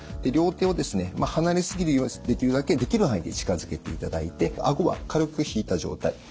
両手をできるだけできる範囲で近づけていただいてあごは軽く引いた状態。